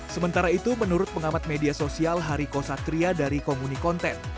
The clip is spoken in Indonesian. sementara itu menurut pengamat media sosial hariko satria dari komuni konten